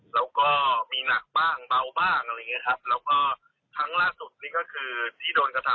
แล้วก็มีหนักบ้างเปล่าบ้างแล้วก็ครั้งล่าสุดนี่ก็คือที่โดนกระทำ